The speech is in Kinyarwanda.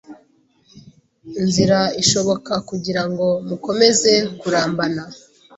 inzra ishoboka kugira ngo mukomeze kurambana.